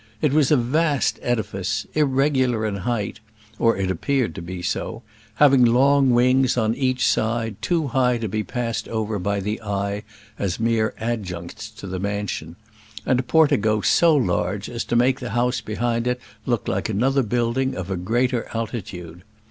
It was a vast edifice; irregular in height or it appeared to be so having long wings on each side too high to be passed over by the eye as mere adjuncts to the mansion, and a portico so large as to make the house behind it look like another building of a greater altitude.